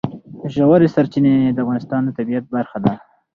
ژورې سرچینې د افغانستان د طبیعت برخه ده.